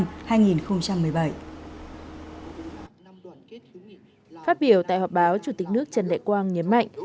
phát biểu tại họp báo chủ tịch nước trần đại quang nhấn mạnh